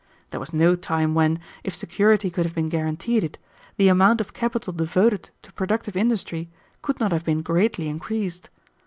There was no time when, if security could have been guaranteed it, the amount of capital devoted to productive industry could not have been greatly increased.